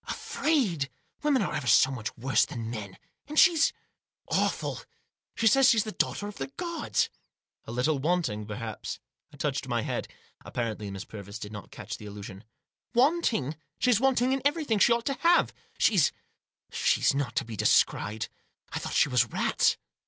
"Afraid! Women are ever so much worse than men. And she's — awful. She says she's the daughter of the gods." " A little wanting, perhaps." I touched my head. Apparently Miss Purvis did not catch the allusion, " Wanting ! She's wanting in everything she ought to have. She's — she's not to be described. I thought she was rats."